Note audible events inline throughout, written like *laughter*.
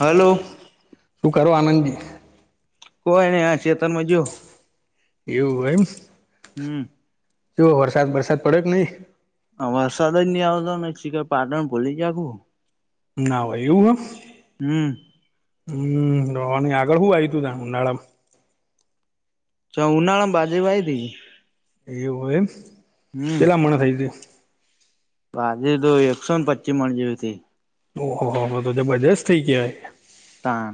Hello શું કરો આનંદજી? કોઈ નઈ આ ચેતનમાં જો. એવું હોયમ. હમ. જો વરસાદ વરસાદ પડે કે નહીિ. હ વરસાદ જ નહી આવતો ને શીખ પાટણ ભોલી જખું. ના હો એું હ. હમ. હમ ન આગળ શું આવ તું ત્યા ઉનાળામાં. ચ ઉનાળા બાજે ભય હતીી. એવું હોયમ પેલા મણા થઈ ગું. જે તો એકસો ને પચી મણ જેવી હતી. ઓહહ તો જે બધા જ થઇ ગયા. તા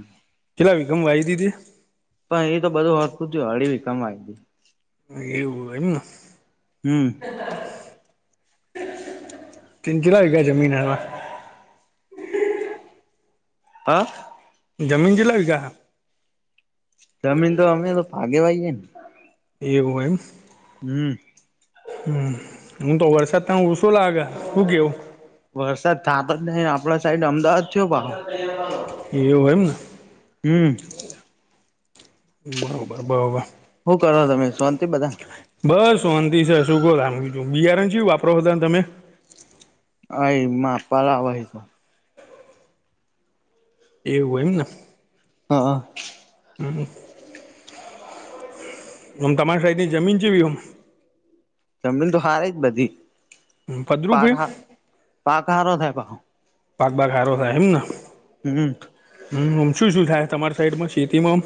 દીધી પણ એ તો બધુંત. ું હળીવીી કમાઈ હતીી. એવ હોયમ ન. હમ. તિંજલાયગ જમીન હ. હ *unintelligible* જમીન જે લવિકા. જમીન તો અમે તો ભાગેવાઈએ ને. એવું એમ. હમ. હમ, હું તો વરસાદ ત ઓ શું લાગે? શું કેવું વરસાદ થતો જ નહી આપડા સાઈડ અમદાવાદ થયો બા, એવું એમ ને હમ. બરોબર બરોબર. હું કરો તમે શા બસ શંતિ છે શુંગ લમીજું બિયારણ શ વાપરોતા તમે? અ માં પા લાવે એ તો. એવું એમ ને. હ હ. હમ. હમ તમારી સાઈડની જમીન જેવી એમ. જમીન તો હારે જ બધી, પદરૂપ એ પાક પાક હારો થાય પાહો. પાક બાાગ હારો થાય એમ ને. હમ હમ મ શું શું થાય તમારી સાઈડમાં શેતીમાં?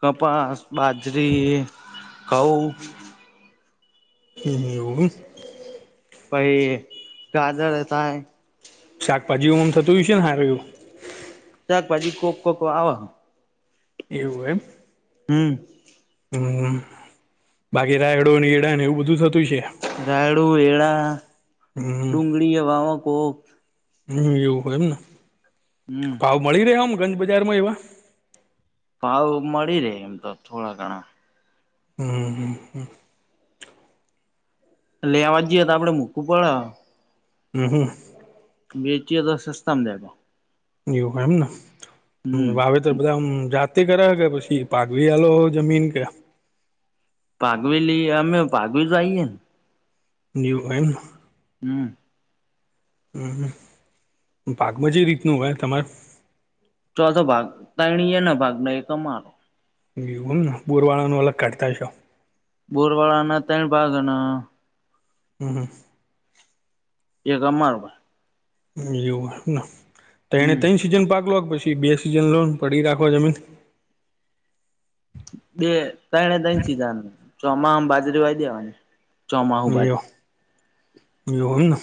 કપાસ બાજરી, ઘઉ. એનુ એ ભાઈ ગાજર થાય. શાકભાજીમ થતું હોયું છે ને હારું. શાકભાજી કોક કોક આવે. એવું એમ. હમ. હ, બાકી રાયડોની એડા ને એવું બધું થતું છે રાયડું એળા, હમ ડુંગળી એ વાવે કોક. હમ એવું હોય એમને, હમ ભાવ મળી રહ આમ ગંજ બજારમાં એવા? ભાવ મળી રહેે એમ તો થોડા ઘણા. હમ હમ હમ. લેવા જઈએ તો આપડે મુકવું પડે. હમ હમ. બેચીએ તો સસ્તામાં દેગા. એવું એમને, વાવેતર બધામ જાત તી કર કે પછી પાકવી આલો જમીન કે? પાઘવેલી અમે પાઘવી જઈએ ને. યુ એન *unintelligible* હ. હમ, પાકમાં જે રીતનું હોય તમાર ચોથો ભાગ તણી એ નો ભાગ ન એક મારો. એવુ એમને બૂરવાળાનુ અલગ કાઢતા હ છો. બોરવાળાના ત્રણ ભાગના હમ હ. એક અમારો ભાગ. એવું એમને ત્રણ એ હમ ત્રણ સીઝન પાગલો પછી બે સીઝન લોન પડી રાખો જમીન આવું નથી ને? બે તને તન સીધાને ચોમા બાજરી આવીઈ દેવાની. ચોમાંહું બાજે. જોમ *unintelligible*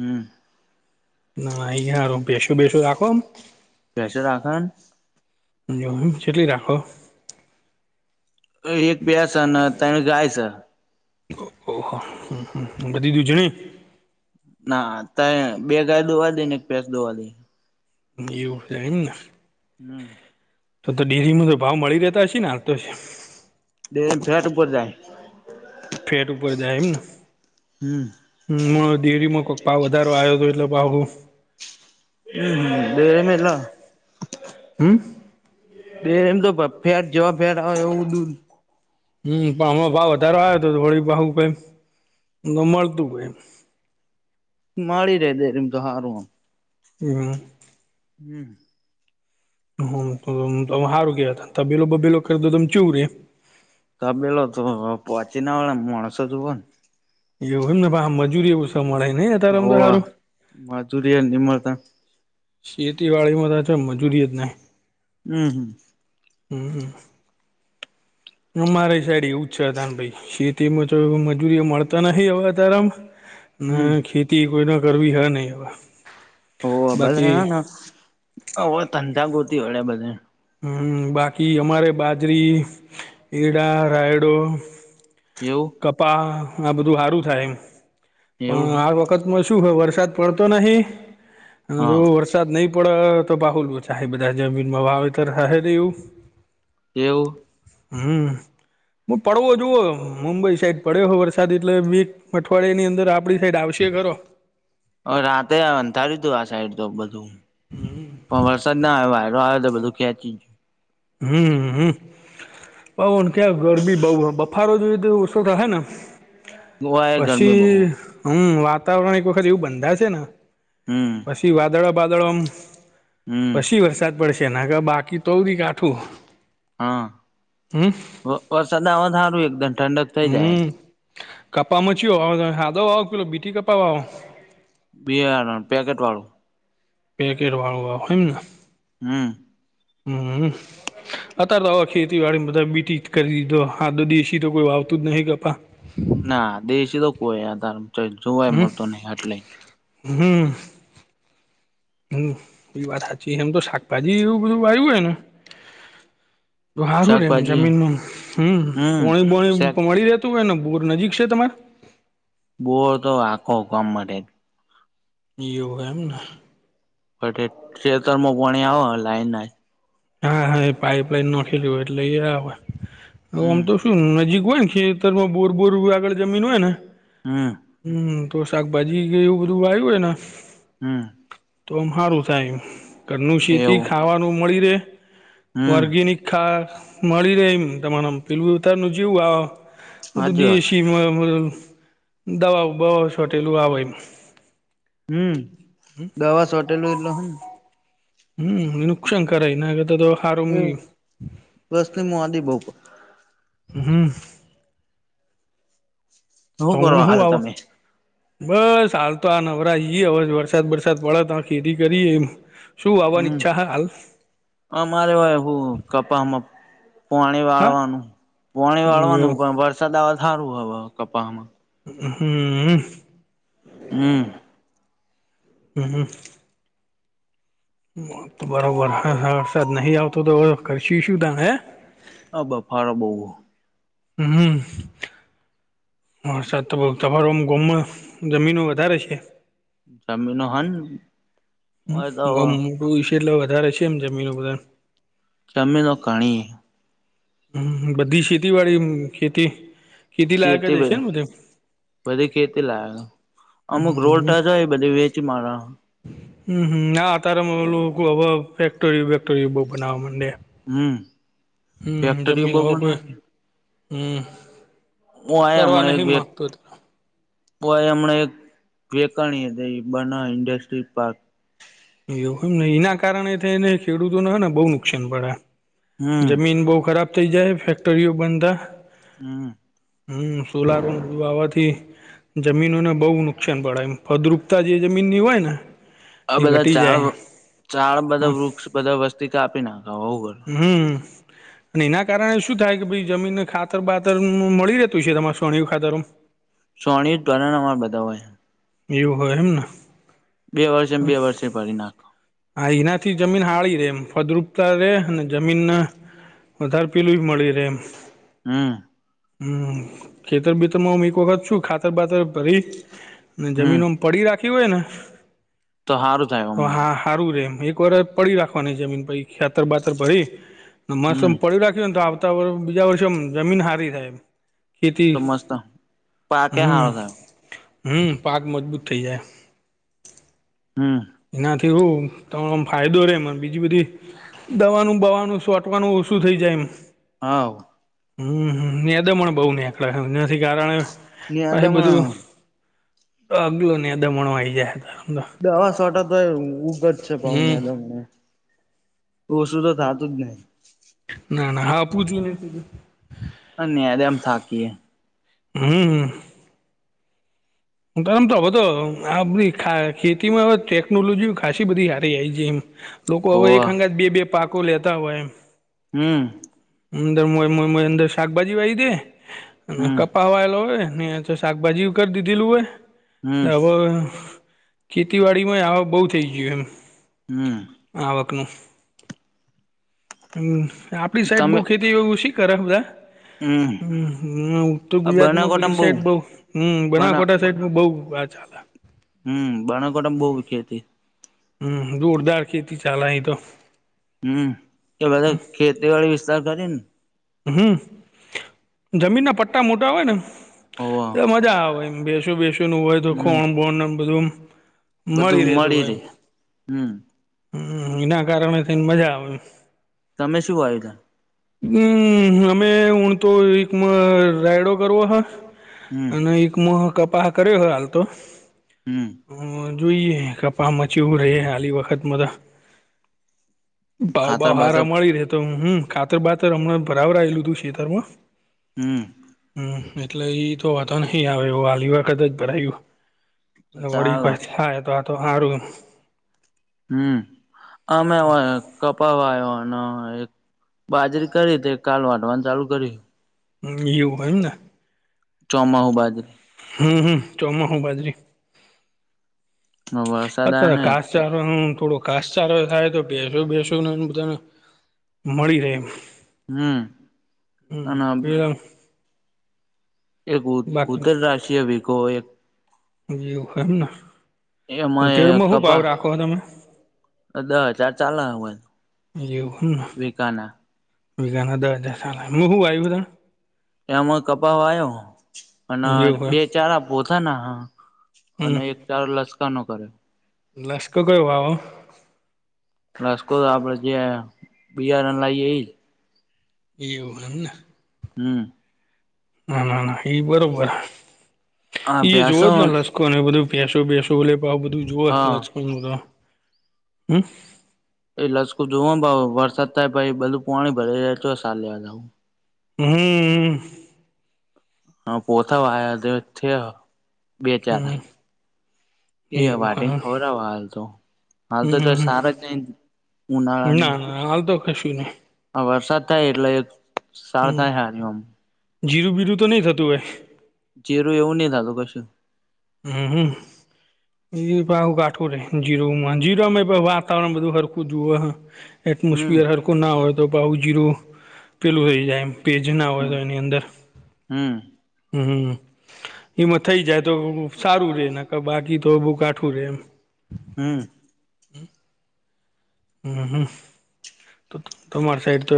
હમ. ના હ બેસુ બેસું રાખ. કશ રાખન. જેટલી રાખો? એક પૈસ અને ત્રણ ગાય છે. ઓહ હ હ બધી દૂજણી. ના ત બે ગાય દોવા દઈ ને એક પસ દોવા દઈ. એવું થાય ને. હમ. તો તો ડેરીમાં તો ભાવ મળી રહેતા હશે ને આ તો? બે હજાર ઉપર જાય. ફેટ ઉપર જા હમને. હમ હ હ ડેરીમાં કોઈક ભાવ વધારો આવ્યો હતો એટલે ભાવ. હમ હમ બેરે મલા. હમ. બે એમ તો ફેર જવા ફેર આવે એવું દૂધ. હમ પણ હમણા ભાવ વધારો આવ હતો થોડી ભાવ ક. ન મળતું હોય. માડી રે દે એમ તો હારુંમ. હમ. હમ. હ સારું કેવા તબેલો બભેલો કરી દો તમ ચીવ રે. ત બેેલો તો પંચી ના માણસો જુ હો ને. એવું એમને ભ મજૂરી એવું સ મળે નહ અત્યારેમ તો હોવ સારું. મજૂરી એ નિમળતા શેતીવાડી માં તો છે મજૂરી જ નહી. હમ હમ. હમ હ. અમારે સાઈડ એવું જ છે અદાન ભાઈ શેતીમાં તો મજૂરી મળતા નહ હવે તારામાં. હમ ના ખેતી કોઈ ના કરવી હે નહી હવે. બાકી ઓ ભલે તંધા ગોતી વડે ભલે. હમ બાકી અમારે બાજરી એડા રાયડો. એવું કપા આ બધું સારું થાય એમ પણ એવું આ વખતમાં શું વરસાદ. પડતો નહી અને જો હા વરસાદ નહીં પડ તો બાહુલ ચા બધા જમીનમાં વાવે તર હર એવું. એવ. હમ હું પડવો જોુવો મુંબઈ સાઈડ. પડ્યો હો વરસાદ એટલે બી અઠવાડિયા ની અંદર આપડી સાઈડ આવશે ખરો. હ રાતે અંધાર્યું તું આ સાઈડ તો બધું પણ વરસાદ ના આવ. આવ્યો તો બધું ખેંચી. હમ પવન ક્યાં ગરમી બઉ બફારો જોઈ. સો થશે ને ગયું ઓય ગરમી પછી બહુ હમ વા. વાતાવરણ એક વખત એવું બંધા છે ને હમ પછી વાદળો વાદળોમ. હમ પછી વરસાદ પડશે ના કે બાકી તોૌધી કાઠું. હા હમ વરસાદ આ સારું એકદમ ઠંડક થઇ જાય. કપા મચી સાાદો વાવો કલો બીઠટી કપા વાવો. બાર પેકેટ વાળું. પેકેર વાળું વાળ હોમને. હમ. હમ અત્યારે તો હવે ખેતી વાડી બધા બીટી. કરી દીધો હા દધીસીી તો કોઈ વાવતું જ નહીિ કપા. ના દેશી તો કોઈ આધાર જોવાય હમ મળતો નહીિ એટલે. હમ. હમ બી વાત સાચી એમ તો શાકભાજી એવું બધું આવય્યું હોય ને. તો સારું રેમ શાકભાજી જમીનમાં હમ પોણી બણી શાક મળી રહે. શું એનો બોર નજીક છે તમારે. બો તો આખો હકમ માટે જ. યોગ એમને. પ છેતરમાં પોણી આવે લાઈન ના. હા, હા એ પાઈપલાઈન નાખેલી હોય એટલે એ આવે આમ હમ તો શું નજીક હોય ને ખેતર માં બોર બોર આગળ જમીન હોય ને હમ હમ તો શાકભાજી એવું બધુંવાવ્યું હોય ને હ તો, હાંરું થાય એમ ઘનું શેતી એવું ખાવાનું મળી રે હમ ઓર્ગેનિક ખા મળી ર એમ તમારેમ પેલું ઉતારનું આ બધું સાચી વાત દેશીમાં દવા બવા સાથે આવે એ હું, દવા સોટેલું એટલ હું હું, નુકશાન કરે એના કરતા તો હારું હું, બસ મુ આદિ બહ હ શું કરો, હું હું હાલ આવ તમે બસ હાલ તો આ નવરા ઈ હવે વરસાદ વરસાદ પડે તો આ ખેતી કરી એમ શું વાવવાની ઈચ્છા હે, હાલ અ, મારે હોય હું કપા માં પોણી હા વાળવાનું પોણી હમ વાળવાનું પણ વરસાદ આવે તો કપામાં હુંમ હમ હમ હ તો બરોબર હ વરસાદ નહી આવતો તો હવે હા, બફારો હોય હમ વરસાદ તો બવ તમારે ગોમ માં જમીન વધારે છે. જમીનો હન હોય તો *unintelligible* મોટું હશે એટલે વધારે છે એમ જમીન બધાં જમેીનો ઘણી હમ બધી *unintelligible* વાળી ખેતી ખેતી લાયક જશે ને બધે બધી ખેતી લાયક અમુક રોલ હમ ટચ હોય એ બધી વેચી અંહહ અ તારેમાં એલું હવે ફેક્ટરી વેક્ટરી બહુ બનાવવા માંડે હું, ફેક્ટરી બવ બનાવાની હું, હું આ કરવા નહી માંગતું ઓ એ હમણાં, એક વેકાણી હતી એ બના ઇન્ડસ્ટ્રી પાર્ક એવું એમને એના કારણે થઈને ખેડૂતોને હને બહુ નુકસાન પડે હમ જમીન બહુ ખરાબ થઇ જાય ફેક્ટરીઓ બંધ થ હમ હમ, સોલારન આવાથી જમીનોને બહુ નુકસાન પડાયે એમ ફદ્રુપતા જે જમીનની હોય ને આ એ બધા ઘટી ઝાડ જાય ઝાડબધા હમ વૃક્ષ બધા વસ્તી કાપી નાખે હમ અને, એના કારણે શું થાય કે ભાઈ જમીન ખાતર બાતર મળી રહેતું છે, તમા છાણીયું ખાતર સોની ઘણા બધા હોય એવું હોય એમને બે વર્ષ એમ, બે વર્ષ ભરી નાખો થી. જમીન હાળી રે એ ફદ્રુપતા રે જમીન વધારે પીલું મળી રે એમ હમ હું ખેતર બેતર માં હમ એક વખત છું ખાતર બાતર પરીને હમ જમીનમ પડી રાખ હોયને તો સારું થાય તો આમ હા *inaudible* રેમ એમ એક વાર પડી રાખવાની જમીન પ ખેતર બાતર ભરીને મસ્ત હમ પડી રાખ્યો ને તો આવતા *inaudible* બીજા વર્ષેમ જમીન હારી થાય ખેતી તો મસ્ત પાકે સારો હું થાય હું પાક મજબૂત થઇ જાય હમ એનાથી હું તમારો ફાયદો રે મને બીજી બધી દવાનું બવાનું સોટવાનું શું થઈ જાય હા હમ દમણ બઉ નેકળ *unintelligible* નથી કારણે યાદમાં તો અગલો ને દમણ ઓહી આવી જાય તો દવા સોટા તોય ઉગજ છે *unintelligible* પઉ હમ દમને ઓછું તો થાતું જ નહી ના ના હા પૂછું નહી *unintelligible* પજુ અનેદ *unintelligible* એમ થાકીએ હમ હ તમ તો હવે તો આપ ખેતીમાં હવે ટેકનોલોજી ખાસી બધી હારી આવી જઇ છે એમ લોકો હવે એક હોવ સંગાથ બે બે પાકો લેતા હોય એમ હમ અંદર અંદર *unintelligible* શાકભાજી વાવી દે અને હમ કપા વાયેલો હોય ને તો શાકભાજી કરી દીધેલું હમ હોય હવે ખેતીવાડી માંય આવક બહુ થઈ ગયું હમ આવકનું હમ *unintelligible* આપણી સાઈડ બહુ તમે ખેતી ઓછી કરે બધા હમ હ *unintelligible* ઉત્તર ગુજરાતમાં પેલી બનાકોટામાં બઉ સાઈડ બહુ હમ બના બનાસકાંઠા સાઈડ બહુ જદ *inaudible* હમ બાણકોડામાં બહુ વિખી હતી હમ જોરદાર ખેતી ચાલે અહીં તો હમ કે બધા ખેતી વાડી વિસ્તાર કરી ને હમ જમીનના પટ્ટા મોટા હોય ને હોવ એ મજા આવે એ બેસું બેસું નું હોય તો હમ ખોણ બોણ બધું મળી બધું રહે તું એમ રે હમ હમ એના કારણે થઈને મજા આવે તમે શું આવ્યા હમ અમે હ તો વિકમા રાયડો કરવો હ હમ અને એક મોહ કપાહ કરે હાલતો હમ હ જોઈએ કપામા ચેવુ રહે હાલી વખતમાં તો ભાવ ખાતર ભાવ બાતર હારા મળી રહેેતો હુ કાતર બાતર હમણાં ભરાયેલું તું ખેતરમાં હમ હમ એટલે ઈ તો‌ વાંધો નહી આવે એવું હાલી વખત જ તો ભરાયું વળી ચાલે કાંઈ થાય તો આ તો સારું હમ અમે ઓહી કપાવા *unintelligible* આવ બાજરી કરી તે કાલ વાઢવાનું ચાલુ કરી હ એયું હોન નાને *inaudible* ચોમાહુ બાદ *unintelligible* ર હમ હમ ચોમા હુ બાજરી વરસાદ આયો અત્યારે ને ઘાસચાર નુ થોડુંક ઘાસચારો થાય તો ભેંસો બેસો ને બધતાને મળી રહે એમ. હમ હમ્મ અને *unintelligible* એક ઉ ઉત્તર રાષ્ટ્રીય વીકો એક જીવું *unintelligible* એ માંરે કપા દહ હજાર ચાલે હમણાં *unintelligible* વીઘાના દહ હજાર ચાલે હુ આવ્યું બધા એ એમાં કપાવવા આવ્યો અને તણ એવું બે એમ ચારા પોથાના અને એક દાળો લશકનો કરે. રસકો કોઈ વાવો. રસકો તો આપડે જે બીયારણ લઈએ એજ. એવું હેમને. હમ્મ. ના ના ના ઈ બરોબર હા ઈ જોવો ભ્યાસો જ ને લસકોને એ બધું ભેંસ તો બેસો લે બા બધું જો હા રસકો નું હમ. એ રસકું જોવ ને ભાવ વરસાદ થાય ભાઈ બધું પાણી ભરા જાય છે સારી લેવા જાવું. હમ્મ હામ. હા પોથ આ થ થયો બે ચાર. હમ એ એવું વાને હા *unintelligible* હાલ તો. હાલ તો હમ સારા જ નહીં ના ઉનાળાની ના હાલ તો કશું નહી આ વરસાદ તા એટલે એ સારું હમ થાય *unintelligible* જીરું બીરું તો નહી થતું હોય. જીરું એવું નહીં થતું કસે. હું હું. એ કાઠું રે જીરોમાં જીરોમાં વા વાતાવરણ બધું હરખું જોવ એક હમ મુશ્કેલ હરખું ના હોય તો બહું જીરું પેલું થઈ જાય એમ. પેજ ના હોય હમ તો એની અંદર હમ હમ્મ. એમાં થઈ જાય તો સારું રે ના બાકી તો બહું કાઠું રે એમ. હું. હું હું. તમાર સાઈડ તો